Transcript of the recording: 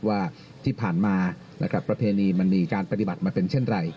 ว่าที่ผ่านมานะครับประเพณีมันมีการปฏิบัติมาเป็นเช่นไร